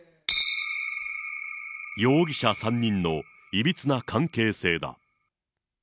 容疑者３人のいびつな関係性だ。